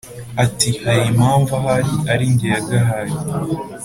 ati"harimpamvu ahari aringe yagahaye